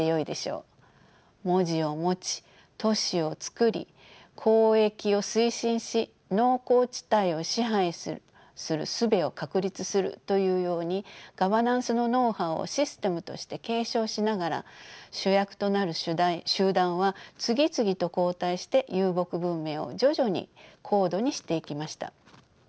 文字を持ち都市を作り交易を推進し農耕地帯を支配するすべを確立するというようにガバナンスのノウハウをシステムとして継承しながら主役となる集団は次々と交代して遊牧文明を徐々に高度にしていきました。